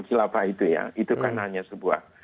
khilafah itu ya itu kan hanya sebuah